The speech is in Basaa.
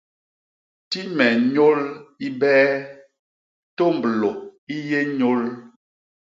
Ti me nyôl i bee, tômblô i yé nyôl.